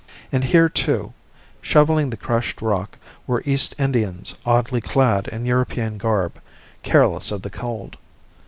And here, too, shovelling the crushed rock, were East Indians oddly clad in European garb, careless of the cold.